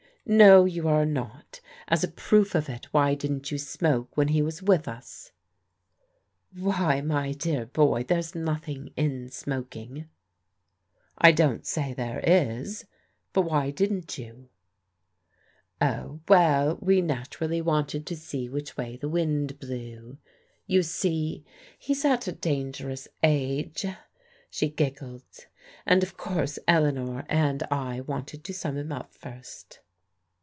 " No, you are not. As a proof of it, why didn't you smoke when he was with us ?"" Why, my dear boy, there's nothing in smoking." " I don't say there is ; but why didn't you ?"" Oh, well, we naturally wanted to see which way the wmd blew. You see, he's at a dangerous age," she giggled, " and of course Eleanor and I wanted to sum him up first."